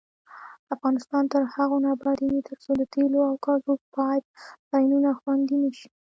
افغانستان تر هغو نه ابادیږي، ترڅو د تیلو او ګازو پایپ لاینونه خوندي نشي.